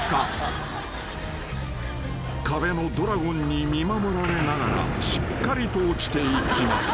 ［壁のドラゴンに見守られながらしっかりと落ちていきます］